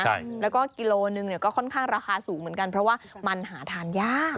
ใช่แล้วก็กิโลนึงเนี่ยก็ค่อนข้างราคาสูงเหมือนกันเพราะว่ามันหาทานยาก